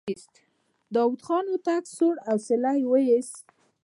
داوود خان هوتک سوړ اسويلی وايست.